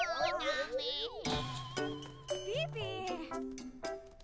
ピピ！